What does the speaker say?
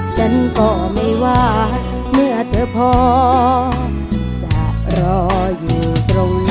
ฉันก็ไม่ว่าเมื่อเธอพอจะรออยู่ตรงนี้